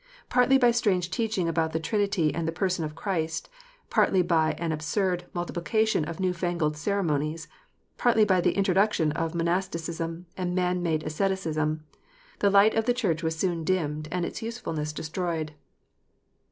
Partly by strange teaching about the Trinity and the Person of Christ, partly by an absurd multi plication of new fangled ceremonies, partly by the introduction of monasticism and a man made asceticism, the light of the Church was soon dimmed and its usefulness destroyed.